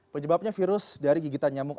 penyebabnya virus dari gigitan nyamuk